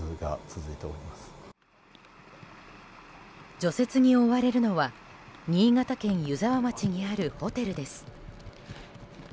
除雪に追われるのは新潟県湯沢町にあるホテルです。